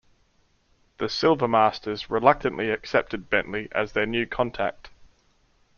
The Silvermasters reluctantly accepted Bentley as their new contact.